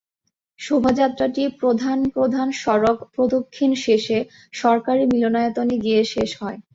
শোভাযাত্রাটি প্রধান প্রধান সড়ক প্রদক্ষিণ শেষে সরকারি মিলনায়তনে গিয়ে শেষ হয়।